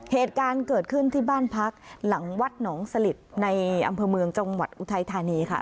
เหตุการณ์เกิดขึ้นที่บ้านพักหลังวัดหนองสลิดในอำเภอเมืองจังหวัดอุทัยธานีค่ะ